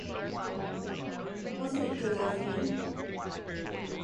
Wasn't it good of him?